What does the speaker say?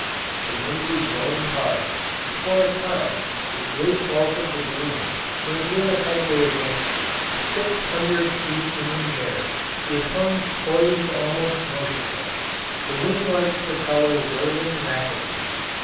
The wind was blowing hard, and for a time the great bulk of the balloon made little headway against it; 600 feet in air it hung poised almost motionless, the winglike propeller whirling rapidly.